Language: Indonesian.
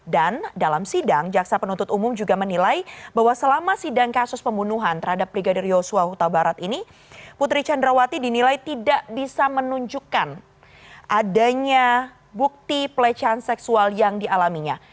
dan dalam sidang jaksa penuntut umum juga menilai bahwa selama sidang kasus pembunuhan terhadap brigadir yosua huta barat ini putri candrawati dinilai tidak bisa menunjukkan adanya bukti pelecehan seksual yang dialaminya